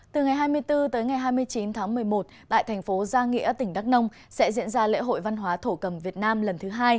từ ngày hai mươi bốn tới ngày hai mươi chín tháng một mươi một tại thành phố giang nghĩa tỉnh đắk nông sẽ diễn ra lễ hội văn hóa thổ cầm việt nam lần thứ hai